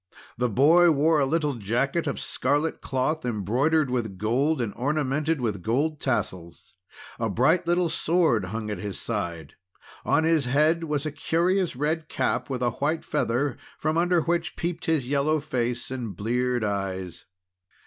The boy wore a little jacket of scarlet cloth, embroidered with gold and ornamented with gold tassels. A bright little sword hung at his side. On his head was a curious red cap with a white feather, from under which peeped his yellow face and bleared eyes.